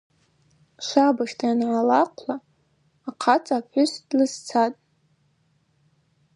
Швабыжта йангӏалахъвла ахъацӏа апхӏвыс длызцатӏ.